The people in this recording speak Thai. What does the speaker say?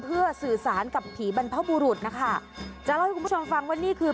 เพื่อสื่อสารกับผีบรรพบุรุษนะคะจะเล่าให้คุณผู้ชมฟังว่านี่คือ